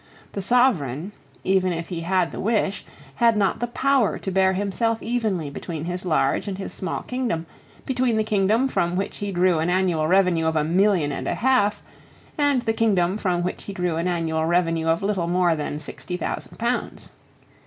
The Sovereign, even if he had the wish, had not the power, to bear himself evenly between his large and his small kingdom, between the kingdom from which he drew an annual revenue of a million and a half and the kingdom from which he drew an annual revenue of little more than sixty thousand pounds.